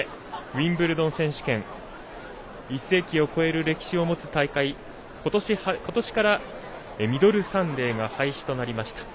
ウィンブルドン選手権１世紀を超える歴史を持つ大会ことしからミドルサンデーが廃止となりました。